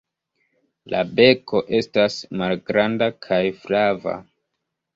La beko estas malgranda kaj flava.